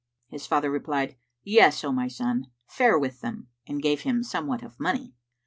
His father replied, "Yes, O my son, fare with them;" and gave him somewhat of money.